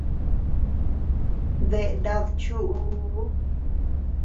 ¿Dea nad chuʼuu?